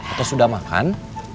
atau sudah makan